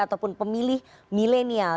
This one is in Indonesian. ataupun pemilih milenial